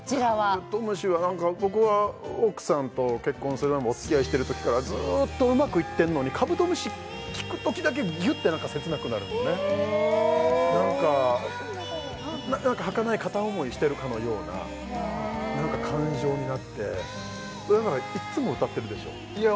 「カブトムシ」は何か僕は奥さんと結婚お付き合いしてる時からずっとうまくいってんのに「カブトムシ」聴く時だけギュッて何か切なくなるのねおお何か何かはかない片思いしてるかのような何か感情になってだからいっつも歌ってるでしょいや